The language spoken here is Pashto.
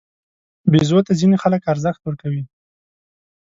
بیزو ته ځینې خلک ارزښت ورکوي.